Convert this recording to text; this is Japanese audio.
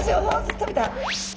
食べた！